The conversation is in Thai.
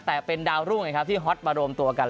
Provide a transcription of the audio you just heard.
แต่เป็นดาวรุ่งที่ฮอตมารวมตัวกัน